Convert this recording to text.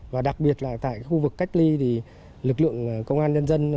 và đặc biệt là tại khu vực cách ly thì lực lượng công an nhân dân